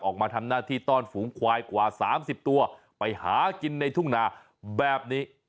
ออกมาทำหน้าที่ต้อนฝูงควายกว่า๓๐ตัวไปหากินในทุ่งนาแบบนี้